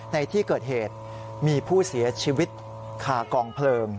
ในที่เกิดเหตุมีผู้เสียชีวิตคากองเพลิง